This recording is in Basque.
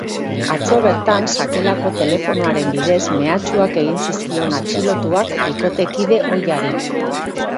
Atzo bertan sakelako telefonoaren bidez mehatxuak egin zizkion atxilotuak bikotekide ohiari.